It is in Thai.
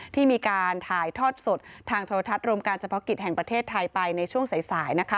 ที่มีการถ่ายทอดสดทางโทรทัศน์รวมการเฉพาะกิจแห่งประเทศไทยไปในช่วงสาย